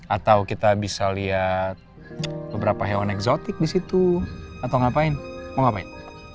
atau kita bisa lihat beberapa hewan eksotik di situ atau ngapain mau ngapain